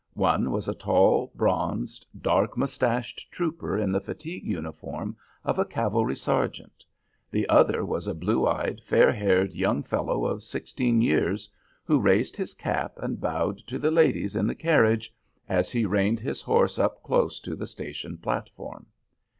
One was a tall, bronzed, dark moustached trooper in the fatigue uniform of a cavalry sergeant; the other was a blue eyed, faired haired young fellow of sixteen years, who raised his cap and bowed to the ladies in the carriage, as he reined his horse up close to the station platform.